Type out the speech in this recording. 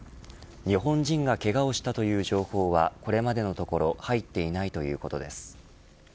日本人がけがをしたという情報はこれまでのところ入っていないということです。